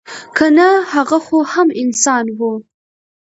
که نه هغه خو هم انسان وه.